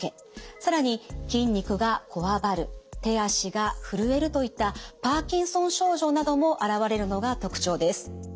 更に筋肉がこわばる手足が震えるといったパーキンソン症状なども現れるのが特徴です。